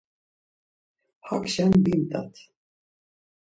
Hakşen bimt̆at.